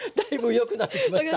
良くなってきました？